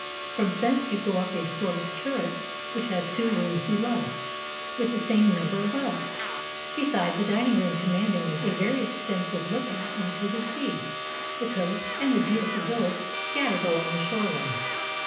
From thence you go up a sort of turret which has two rooms below, with the same number above, besides a dining room commanding a very extensive lookout on to the sea, the coast, and the beautiful villas scattered along the shore line.